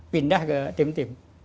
pindah ke tim tim